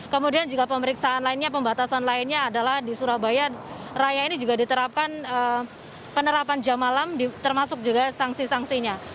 kemudian juga pemeriksaan lainnya pembatasan lainnya adalah di surabaya raya ini juga diterapkan penerapan jam malam termasuk juga sanksi sanksinya